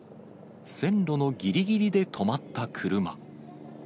線路のぎりぎりで止まった車。